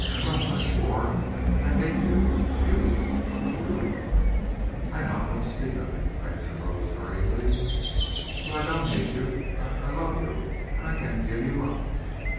"Russ, I swore I'd hate you if you if you " "I know. Don't speak of it," I interposed hurriedly. "But I don't hate you. I I love you. And I can't give you up!"